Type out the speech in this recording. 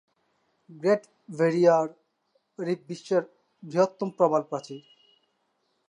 Great barrier reef বিশ্বের বৃহত্তম প্রবাল প্রাচীর।